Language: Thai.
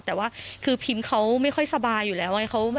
แต่ว่าคือพิมเขาไม่ค่อยสบายอยู่แล้วไง